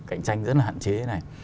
cảnh tranh rất là hạn chế